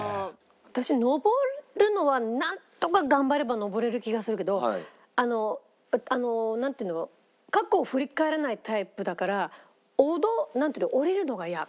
私登るのはなんとか頑張れば登れる気がするけどあのなんていうの過去を振り返らないタイプだからなんていうの。